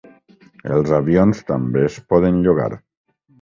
Els avions també es poden llogar.